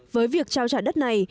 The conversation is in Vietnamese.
với việc trao trả đất này